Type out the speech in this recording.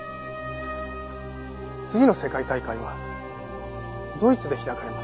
次の世界大会はドイツで開かれます。